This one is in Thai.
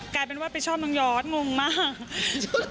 กลายเป็นว่าไปชอบน้องยอดงงมาก